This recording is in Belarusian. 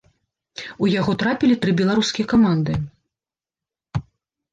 У яго трапілі тры беларускія каманды.